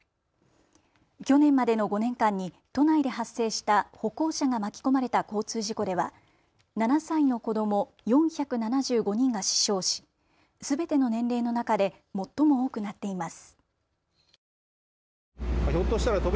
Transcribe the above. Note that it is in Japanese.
去年までの５年間に都内で発生した歩行者が巻き込まれた交通事故では７歳の子ども４７５人が死傷しすべての年齢の中で最も多くなっています。